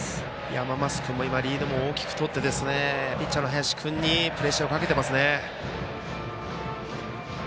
山増君もリードを大きくとってピッチャーの林君にプレッシャーをかけてますね。